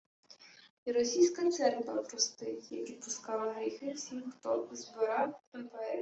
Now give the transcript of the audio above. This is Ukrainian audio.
І Російська церква простить, як відпускала гріхи всім, хто «збирав» імперію